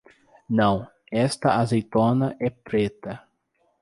Não, esta azeitona é preta.